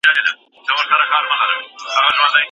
په پای کي د لیکني برابرول ترسره کیږي.